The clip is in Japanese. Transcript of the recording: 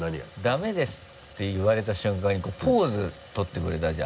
「ダメです」って言われた瞬間にポーズ取ってくれたじゃん。